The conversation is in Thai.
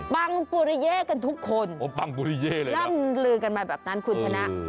ปังปุริเย่กันทุกคนโอ้ปังปุริเย่เลยล่ำลือกันมาแบบนั้นคุณชนะ